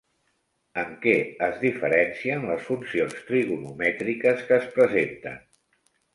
En què es diferencien les funcions trigonomètriques que es presenten?